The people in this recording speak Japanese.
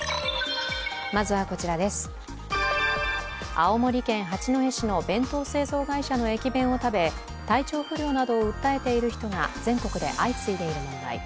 青森県八戸市の弁当製造会社の駅弁を食べ体調不良などを訴えている人が全国で相次いでいる問題。